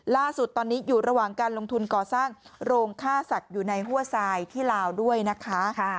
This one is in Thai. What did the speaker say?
ล่าสุดตอนนี้อยู่ระหว่างการลงทุนก่อสร้างโรงฆ่าสัตว์อยู่ในหัวทรายที่ลาวด้วยนะคะ